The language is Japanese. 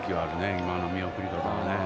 今の見送り方はね。